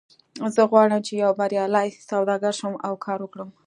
زه غواړم چې یو بریالی سوداګر شم او کار وکړم